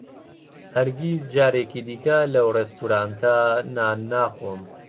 ھەرگیز جارێکی دیکە لەو ڕێستورانتە نان ناخۆم.